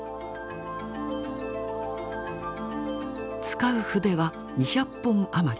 使う筆は２００本余り。